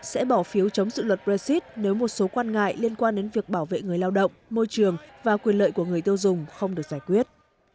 sẽ bỏ phiếu chống dự luật brexit nếu một số quan ngại liên quan đến việc bảo vệ người lao động môi trường và quyền lợi của người tiêu dùng không được giải quyết